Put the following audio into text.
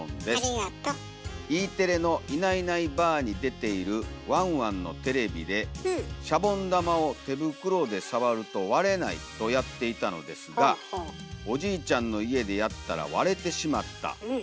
「Ｅテレの『いないいないばあっ！』に出ているワンワンのテレビでシャボン玉を手袋でさわると割れないとやっていたのですがおじいちゃんの家でやったら割れてしまった。